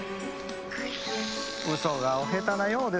ウソがお下手なようですね。